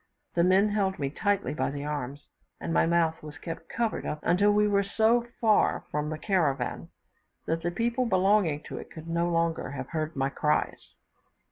The men held me tightly by the arms, and my mouth was kept covered up until we were so far from the caravan that the people belonging to it could no longer have heard my cries.